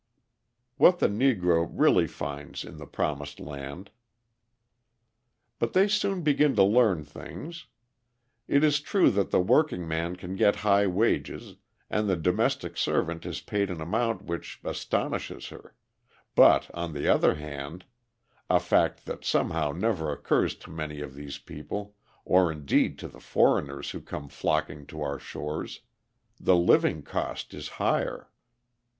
What the Negro Really Finds in the Promised Land But they soon begin to learn things! It is true that the workingman can get high wages, and the domestic servant is paid an amount which astonishes her, but on the other hand a fact that somehow never occurs to many of these people, or indeed to the foreigners who come flocking to our shores the living cost is higher.